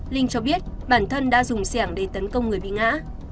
linh cho biết bản thân đã dùng xe hàng để tấn công người bị ngã